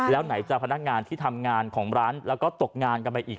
แล้วไหนจะพนักงานที่ทำงานของร้านแล้วก็ตกงานกันไปอีก